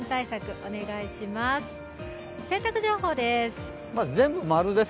お願いします。